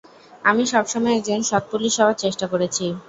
আমি সবসময় একজন সৎ পুলিশ হবার চেষ্টা করেছি।